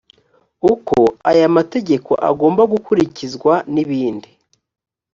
uko aya mategeko agomba gukurikizwa n ibindi